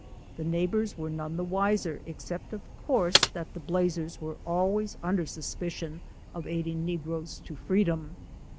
The neighbors were none the wiser except of course that the Blazers were always under suspicion of aiding negroes to freedom.